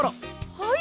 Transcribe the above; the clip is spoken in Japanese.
はい！